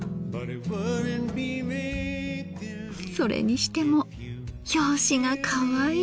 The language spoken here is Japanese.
それにしても表紙がかわいい。